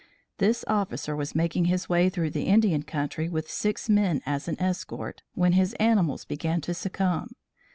This officer was making his way through the Indian country with six men as an escort, when his animals began to succumb.